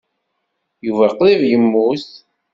Yuba qrib yemmut.